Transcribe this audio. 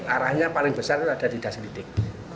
arahnya paling besar itu ada di das litik